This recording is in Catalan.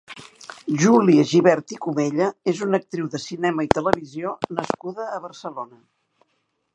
Júlia Gibert i Comella és una actriu de cinema i televisió nascuda a Barcelona.